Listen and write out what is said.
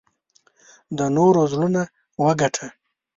د نورو زړونه وګټه .